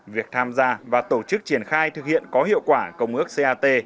việc tham gia và tổ chức triển khai thực hiện có hiệu quả công ước cat